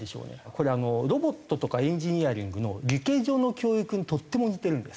これロボットとかエンジニアリングのリケジョの教育にとても似てるんです。